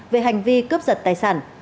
về hành vi cướp giật tài sản